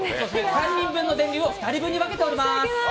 ３人分の電流を２人分に分けています。